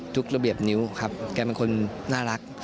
ระเบียบนิ้วครับแกเป็นคนน่ารัก